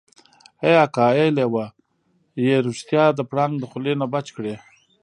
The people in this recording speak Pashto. ای اکا ای لېوه يې رښتيا د پړانګ د خولې نه بچ کړی.